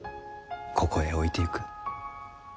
ここへ置いてゆく。